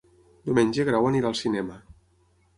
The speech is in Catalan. Diumenge en Grau anirà al cinema.